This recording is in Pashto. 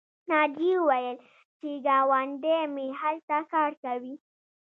ناجیې وویل چې ګاونډۍ مې هلته کار کوي